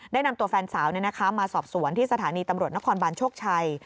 นำตัวแฟนสาวมาสอบสวนที่สถานีตำรวจนครบานโชคชัย